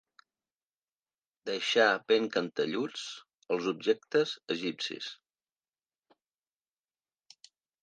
Deixar ben cantelluts els objectes egipcis.